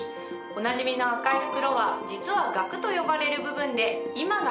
おなじみの赤い袋は実はガクと呼ばれる部分で今が旬です。